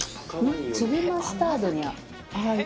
粒マスタードに。